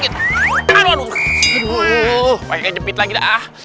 betul banget hai kal